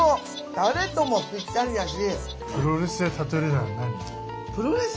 たれともぴったりだし。